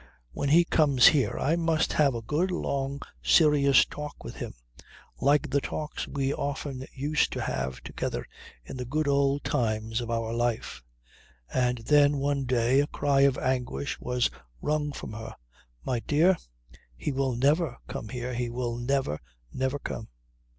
When he comes here I must have a good long serious talk with him, like the talks we often used to have together in the good old times of our life." And then one day a cry of anguish was wrung from her: 'My dear, he will never come here, he will never, never come!'